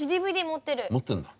持ってんだ。